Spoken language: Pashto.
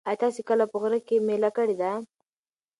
ایا تاسي کله په غره کې مېله کړې ده؟